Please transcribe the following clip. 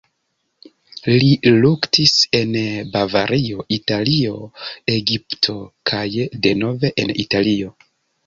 Li luktis en Bavario, Italio, Egipto kaj denove en Italio.